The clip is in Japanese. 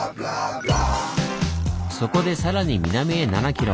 そこでさらに南へ７キロ。